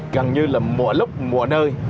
gần như là mỗi lúc mỗi nơi